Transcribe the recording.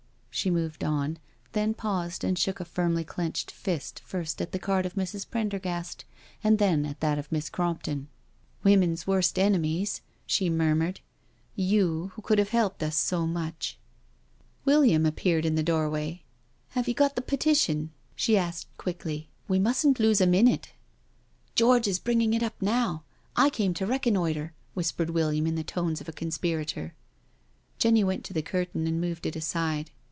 She moved on, then paused and shook a firmly clenched fist, first at the card of Mrs. Prendergast, and then at that of Miss Crompton. " Women's worst enemies," she murmured, " you, who could have helped us so much." 2i8 NO SURRENDER William appeared in the doorway. •' Have you got the Petition?" she asked quickly. •• We mustn't lose a minute." •• George is bringing it up now— I came to recon noitre/' whispered Williain in the tones of a conspirator. Jenny went to the curtain and moved it aside.